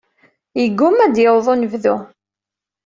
Yegumma ad d-yaweḍ unebdu.